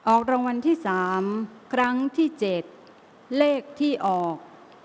ออกรางวัลที่๓ครั้งที่๗เลขที่ออก